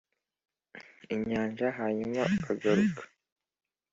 inyanja, hanyuma ukagaruka?